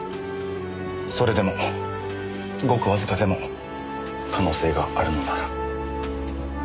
それでもごくわずかでも可能性があるのなら。